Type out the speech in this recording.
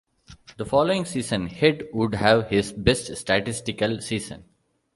The following season, Head would have his best statistical season.